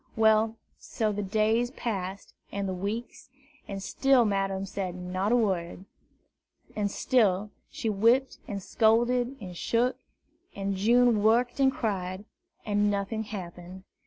Well, so the days passed, and the weeks, and still Madame said not a word; and still she whipped and scolded and shook, and June worked and cried, and nothing happened.